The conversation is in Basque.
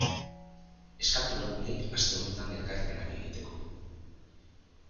Eskatu lagunei aste honetan ekarpenak egiteko.